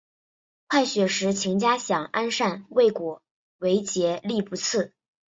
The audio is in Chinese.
快雪时晴佳想安善未果为结力不次。